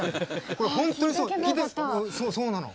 これ本当にそうそうなの。